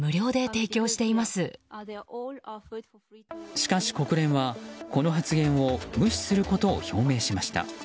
しかし国連は、この発言を無視することを表明しました。